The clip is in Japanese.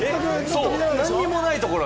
何もないところに。